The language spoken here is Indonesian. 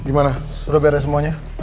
gimana sudah beres semuanya